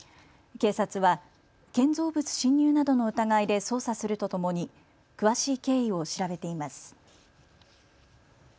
警察は建造物侵入などの疑いで捜査するとともに詳しい経緯を調べています。